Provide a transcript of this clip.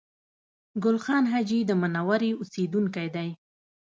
ګل خان حاجي د منورې اوسېدونکی دی